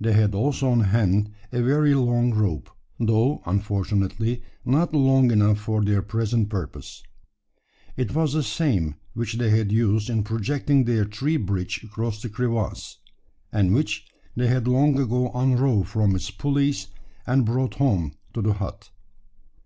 They had also on hand a very long rope, though, unfortunately, not long enough for their present purpose. It was the same which they had used in projecting their tree bridge across the crevasse; and which they had long ago unrove from its pulleys, and brought home to the hut.